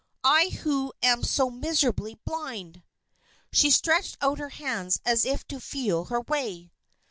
"I who am so miserably blind." She stretched out her hands as if to feel her way.